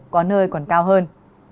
có nơi còn cao hơn